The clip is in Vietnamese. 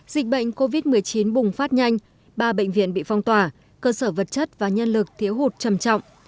dịch bệnh covid một mươi chín bùng phát nhanh ba bệnh viện bị phong tỏa cơ sở vật chất và nhân lực thiếu hụt trầm trọng